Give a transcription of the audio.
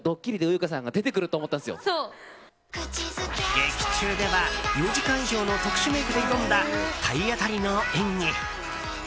劇中では４時間以上の特殊メイクで挑んだ体当たりの演技。